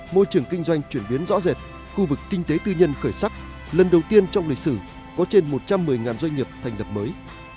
môi trường kinh doanh chuyển biến rõ rệt khu vực kinh tế tư nhân khởi sắc lần đầu tiên trong lịch sử có trên một trăm một mươi doanh nghiệp thành lập mới